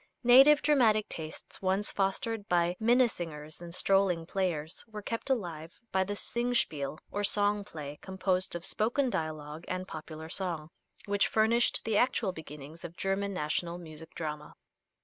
Native dramatic tastes, once fostered by minnesingers and strolling players, were kept alive by the "singspiel," or song play, composed of spoken dialogue and popular song, which furnished the actual beginnings of German national music drama.